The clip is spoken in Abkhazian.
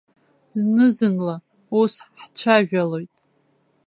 Зны-зынла ус ҳцәажәалоит.